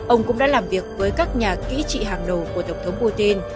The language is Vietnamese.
ông cũng đã làm việc với các nhà kỹ trị hàng đầu của tổng thống putin